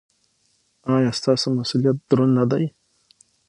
ایا ستاسو مسؤلیت دروند نه دی؟